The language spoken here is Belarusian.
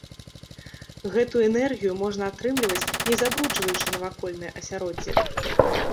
Гэту энергію можна атрымліваць не забруджваючы навакольнае асяроддзе.